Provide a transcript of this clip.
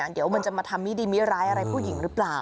เดี๋ยวมันจะมาทำมิดีมิร้ายอะไรผู้หญิงหรือเปล่า